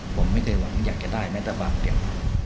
ผมไม่เคยอยากจะได้แม่ตะบังเดียว